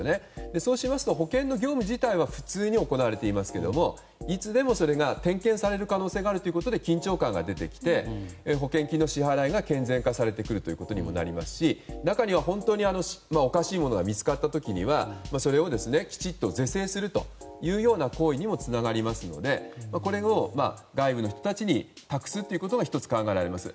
そうしますと、保険の業務自体は普通に行われていますがいつでも、それが点検される可能性があるということで緊張感が出てきて保険金の支払いが健全化されることにもなりますし中には本当におかしいものが見つかった時にはそれをきちんと是正するという行為にもつながりますのでこれを外部の人たちに託すことも１つ考えられます。